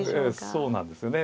そうなんですよね。